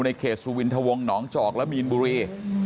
เขตสุวินทวงหนองจอกและมีนบุรี